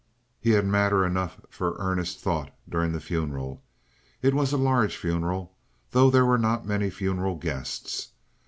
He had matter enough for earnest thought during the funeral. It was a large funeral, though there were not many funeral guests.